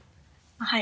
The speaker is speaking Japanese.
はい。